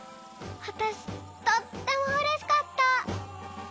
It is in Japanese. わたしとってもうれしかった。